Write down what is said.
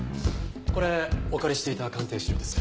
これお借りしていた鑑定資料です。